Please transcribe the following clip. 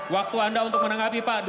waktu anda untuk menanggapi pak